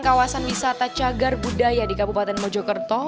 kawasan wisata cagar budaya di kabupaten mojokerto